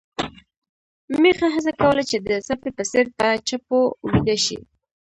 میښه هڅه کوله چې د سپي په څېر په چپو ويده شي.